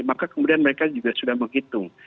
maka kemudian mereka juga sudah menghitung